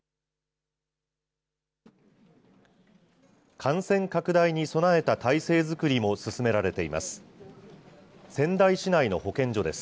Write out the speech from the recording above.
感染拡大に備えた態勢づくりも進められています。